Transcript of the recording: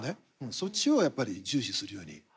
そっちをやっぱり重視するように。